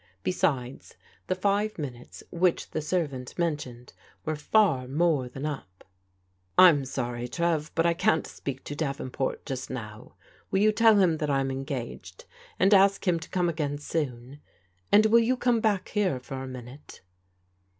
Besides, the five minutes, which the servant mentioned, were far more than up. ^ I'm sorry, Trev, that I can't speak to Davenport just now. Will you tell him that I'm engaged, and ask him to come again soon — and will you come back here for a minute